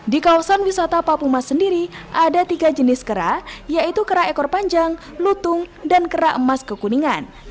di kawasan wisata papumas sendiri ada tiga jenis kera yaitu kera ekor panjang lutung dan kera emas kekuningan